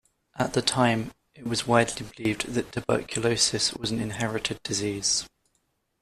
At the time, it was widely believed that tuberculosis was an inherited disease.